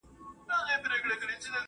زه اجازه لرم چي زدکړه وکړم!!